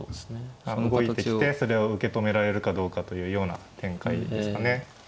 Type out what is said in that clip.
動いてきてそれを受け止められるかどうかというような展開ですかね。